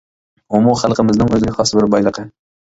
ئۇمۇ خەلقىمىزنىڭ ئۆزىگە خاس بىر بايلىقى.